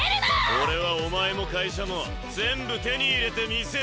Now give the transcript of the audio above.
俺はお前も会社も全部手に入れてみせるぞ。